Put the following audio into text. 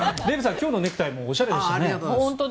今日のネクタイもおしゃれでしたね。